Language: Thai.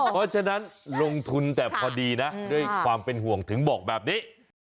เพราะฉะนั้นลงทุนแต่พอดีนะด้วยความเป็นห่วงถึงบอกแบบนี้